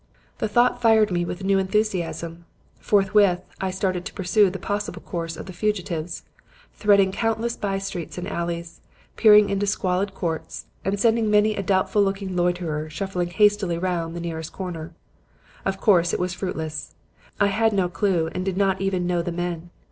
"The thought fired me with a new enthusiasm. Forthwith I started to pursue the possible course of the fugitives, threading countless by streets and alleys, peering into squalid courts and sending many a doubtful looking loiterer shuffling hastily round the nearest corner. Of course it was fruitless. I had no clue and did not even know the men.